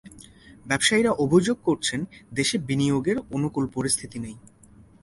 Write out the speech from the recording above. ব্যবসায়ীরা অভিযোগ করছেন, দেশে বিনিয়োগের অনুকূল পরিস্থিতি নেই।